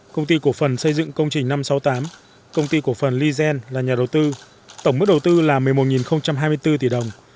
công ty cổ phần xây dựng công trình năm trăm sáu mươi tám công ty cổ phần lizen là nhà đầu tư tổng mức đầu tư là một mươi một hai mươi bốn tỷ đồng